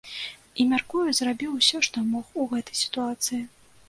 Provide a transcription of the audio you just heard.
І, мяркую, зрабіў усё, што мог у гэтай сітуацыі.